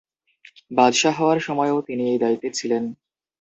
বাদশাহ হওয়ার সময়ও তিনি এই দায়িত্বে ছিলেন।